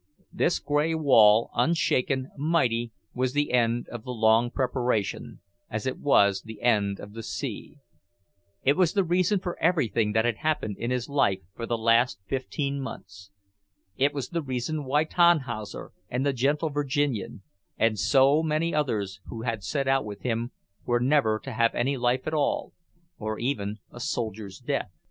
This grey wall, unshaken, mighty, was the end of the long preparation, as it was the end of the sea. It was the reason for everything that had happened in his life for the last fifteen months. It was the reason why Tannhauser and the gentle Virginian, and so many others who had set out with him, were never to have any life at all, or even a soldier's death.